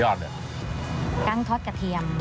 กั้งทอดกระเทียม